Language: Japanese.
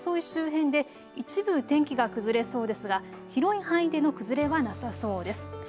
周辺で一部、天気が崩れそうですが広い範囲での崩れはなさそうです。